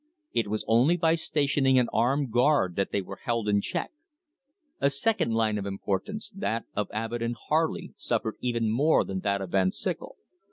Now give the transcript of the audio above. It was only by stationing an armed guard that they were held in check. A second line of importance, that of Abbott and Harley, suffered even more than that of Van Syckel.